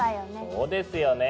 そうですよね。